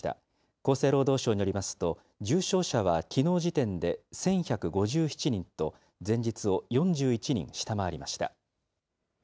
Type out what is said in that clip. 厚生労働省によりますと、重症者はきのう時点で１１５７人と、前日を４１人下回りました。